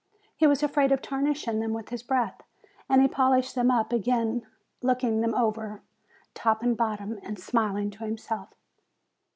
He was afraid of tarnishing them with his breath, and he polished them up again, looking them over, top and bottom, and smiling to himself.